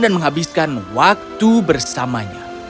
dan menghabiskan waktu bersamanya